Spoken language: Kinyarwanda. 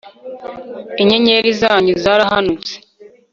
inyenyeri zanyu zarahanutse